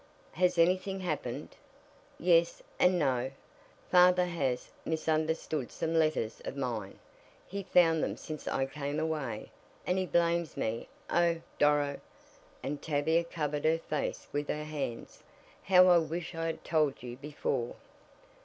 "Has anything happened?" "Yes, and no. Father has misunderstood some letters of mine. He found them since I came away and he blames me Oh, Doro!" and Tavia covered her face with her hands. "How I wish I had told you before!"